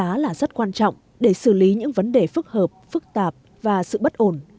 đánh giá là rất quan trọng để xử lý những vấn đề phức hợp phức tạp và sự bất ổn